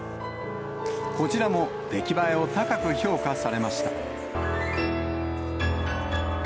こちらも出来栄えを高く評価されました。